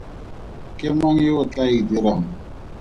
Ke mang yo o tlaa e dirang?